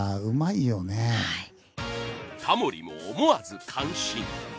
タモリも思わず感心。